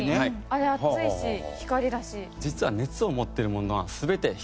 あれ熱いし光だし。